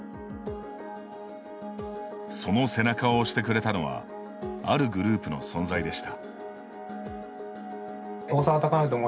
その背中を押してくれたのはあるグループの存在でした。